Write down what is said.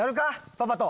パパと。